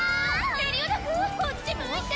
・メリオダフこっち向いて！